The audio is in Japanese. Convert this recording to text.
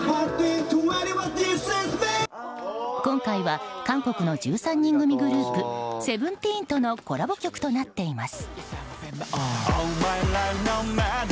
今回は韓国の１３人組グループＳＥＶＥＮＴＥＥＮとのコラボ曲となっています。